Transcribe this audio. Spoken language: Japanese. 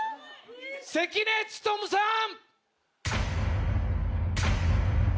関根勤さん！